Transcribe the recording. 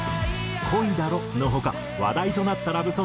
『恋だろ』の他話題となったラブソング